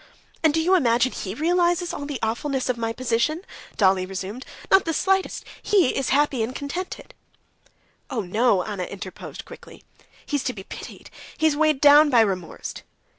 "And do you imagine he realizes all the awfulness of my position?" Dolly resumed. "Not the slightest! He's happy and contented." "Oh, no!" Anna interposed quickly. "He's to be pitied, he's weighed down by remorse...."